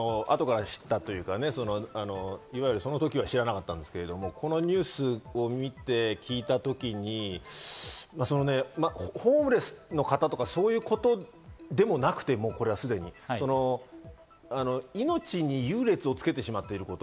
僕もそのときは知らなかったんですが、このニュースを見て、聞いたときに、ホームレスの方とかそういうことでもなくて、すでに命に優劣をつけてしまっていること。